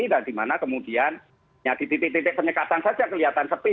dan di mana kemudian di titik titik penyekatan saja kelihatan sepi